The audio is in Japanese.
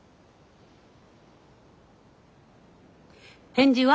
返事は？